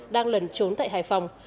đang lần trốn tại hải phòng